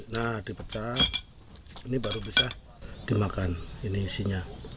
nah dipecah ini baru bisa dimakan ini isinya